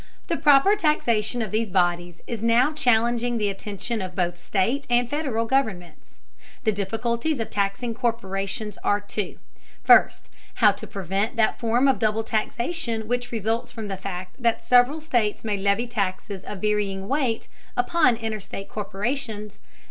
The proper taxation of these bodies is now challenging the attention of both state and Federal governments. The difficulties of taxing corporations are two: First, how to prevent that form of double taxation which results from the fact that several states may levy taxes of varying weight upon interstate corporations.